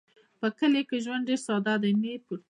په کلیو کې ژوند ډېر ساده دی.